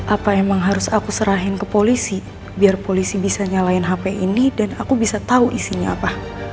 apa emang harus aku serahin ke polisi biar polisi bisa nyalain hp ini dan aku bisa tahu isinya apa